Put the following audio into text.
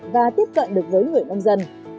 và tiếp cận được với người nông dân